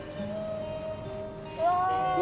うわ。